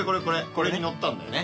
これに乗ったんだよね。